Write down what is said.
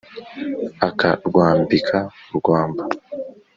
akarwambika urwamba